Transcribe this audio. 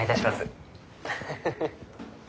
フフフフ。